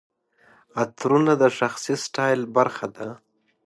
عطرونه د شخصي سټایل برخه ده.